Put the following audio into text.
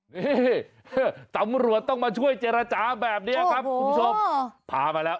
นี่ตำรวจต้องมาช่วยเจรจาแบบนี้ครับคุณผู้ชมพามาแล้ว